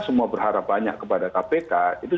semua berharap banyak kepada kpk itu